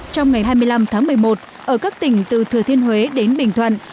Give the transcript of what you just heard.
trong ngày hai mươi năm tháng một mươi một ở các tỉnh từ thừa thiên huế đến bình thuận